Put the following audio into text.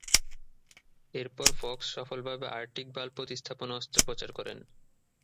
এরপর ফক্স সফলভাবে aortic valve প্রতিস্থাপন অস্ত্রোপচার করেন।